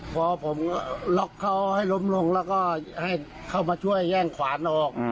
พอผมก็ล็อกเขาให้ล้มลงแล้วก็ให้เข้ามาช่วยแย่งขวานออก